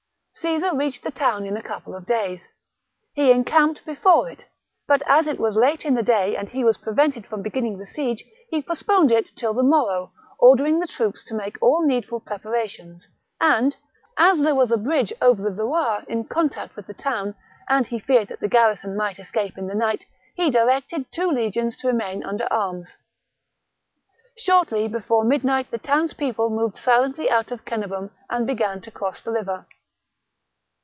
Caesar reached the town in a couple of days. He encamped before it ; but, as recaptures it was late in the day and he was prevented from ^"^""'' beginning the siege, he postponed it till the morrow, ordering the troops to make all needful preparations ; and, as there was a bridge over the Loire in contact with the town and he feared that the garrison might escape in the night, he directed two legions to remain under arms. Shortly before midnight the townspeople moved silently out of Cenabum and began to cross the river.